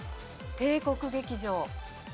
帝国劇場。